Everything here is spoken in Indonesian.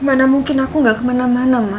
mana mungkin aku gak kemana mana